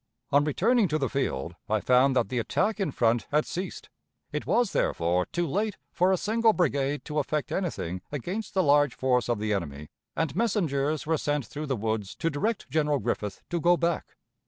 On returning to the field, I found that the attack in front had ceased; it was, therefore, too late for a single brigade to effect anything against the large force of the enemy, and messengers were sent through the woods to direct General Griffith to go back.